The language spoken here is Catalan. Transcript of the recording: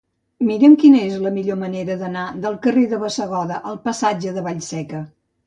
Mira'm quina és la millor manera d'anar del carrer de Bassegoda al passatge de Vallseca.